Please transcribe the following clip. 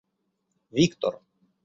Виктор